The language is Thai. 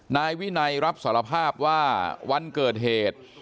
นายวินัยรับสารภาพว่าวันเกิดเหตุ